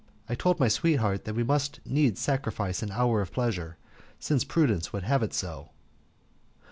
I told my sweetheart that we must needs sacrifice an hour of pleasure, since prudence would have it so.